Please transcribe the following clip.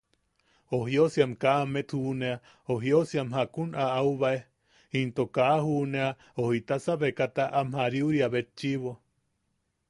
O jiosiam kaa amet juʼunea o jiosiam jakun aʼaubae into kaa juʼunea o jitasa becata am jariuria betchiʼibo.